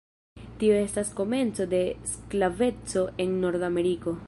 Tio estis komenco de sklaveco en Nordameriko.